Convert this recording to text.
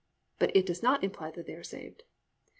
But it does not imply that they are saved.